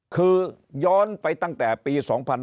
คือย้อนไปตั้งแต่ปี๒๕๕๙